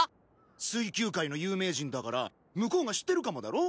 水球界の有名人だから向こうが知ってるかもだろ？